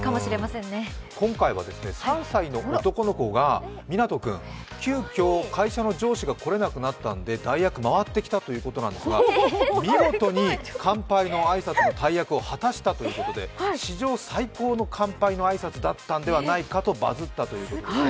今回は３歳の男の子、みなと君が急きょ会社の上司が来れなくなっｔので代役が回ってきたということですが見事に乾杯の挨拶の大役を果たしたということで、史上最高の乾杯の挨拶だったのではないかとバズったということです。